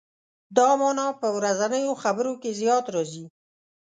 دا معنا په ورځنیو خبرو کې زیات راځي.